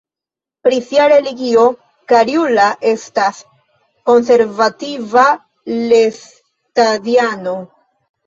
Pri sia religio Karjula estas konservativa lestadiano.